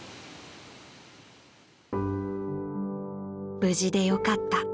［無事でよかった］